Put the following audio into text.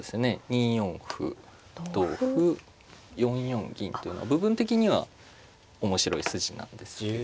２四歩同歩４四銀というのは部分的には面白い筋なんですけど